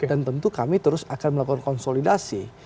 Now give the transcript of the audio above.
dan tentu kami terus akan melakukan konsolidasi